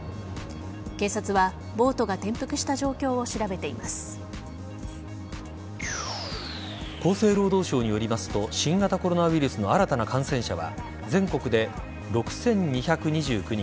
警察はボートが転覆した状況を厚生労働省によりますと新型コロナウイルスの新たな感染者は全国で６２２９人